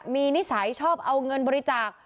มีนิสัยชอบเอาเงินบริจาค